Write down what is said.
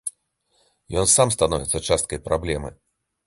Ён сам становіцца часткай праблемы.